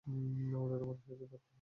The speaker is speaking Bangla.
আমাদের তোমার সাহায্য দরকার, অমর।